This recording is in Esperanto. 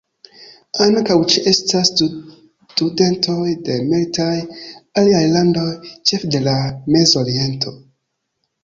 Ankaŭ ĉe-estas studentoj de multaj aliaj landoj, ĉefe de la Mez-Oriento.